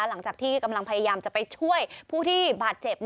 หลังจากที่กำลังพยายามจะไปช่วยผู้ที่บาดเจ็บ